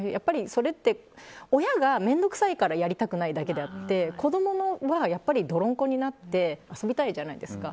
それって親が面倒くさいからやりたくないだけであって子供は泥んこになって遊びたいじゃないですか。